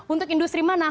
untuk industri mana